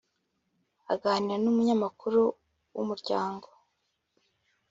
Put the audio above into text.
Aganira n’umunyamakuru w’Umuryango